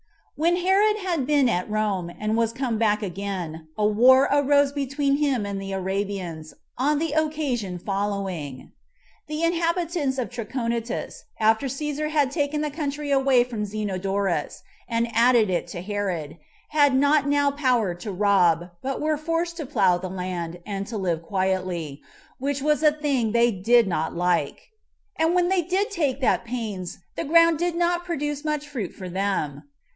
1. When Herod had been at Rome, and was come back again, a war arose between him and the Arabians, on the occasion following: The inhabitants of Trachonitis, after Cæsar had taken the country away from Zenodorus, and added it to Herod, had not now power to rob, but were forced to plough the land, and to live quietly, which was a thing they did not like; and when they did take that pains, the ground did not produce much fruit for them.